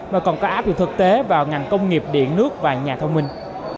mà còn có áp dụng thực tế vào ngành công nghiệp điện nước và nhà thông minh